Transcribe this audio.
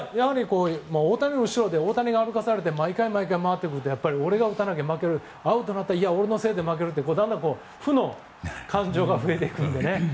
大谷の後ろで大谷が歩かされて毎回毎回、回ってくると俺が打たなければ負けるアウトになったら俺のせいで負けるってだんだん負の感情が増えてくるというね。